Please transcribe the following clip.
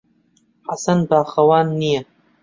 حەسەن باخەوان نییە.